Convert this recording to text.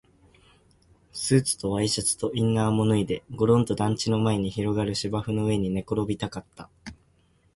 スーツとワイシャツとインナーも脱いで、ごろんと団地の前に広がる芝生の上に寝転がりたかった